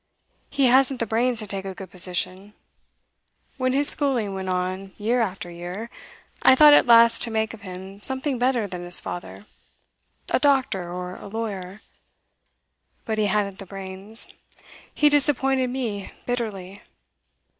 He hasn't the brains to take a good position. When his schooling went on year after year, I thought at last to make of him something better than his father a doctor, or a lawyer. But he hadn't the brains: he disappointed me bitterly.